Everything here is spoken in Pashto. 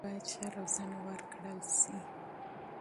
دوی ته باید ښه روزنه ورکړل شي.